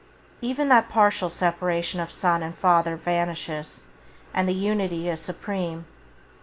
Even that partial separation of Son and Father vanishes, and the unity is supreme.